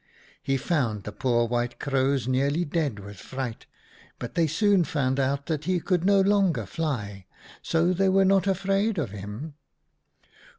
He found the poor White Crows nearly dead with fright, but they soon found out that he could no longer fly, so they were not afraid of him.